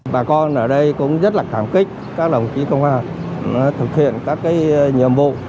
bà con ở đây cũng rất là cảm kích các đồng chí công an thực hiện các nhiệm vụ